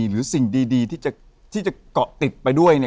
หรือสิ่งดีที่จะเกาะติดไปด้วย